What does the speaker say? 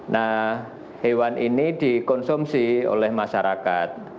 nah hewan ini dikonsumsi oleh masyarakat